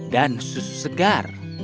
dan susu segar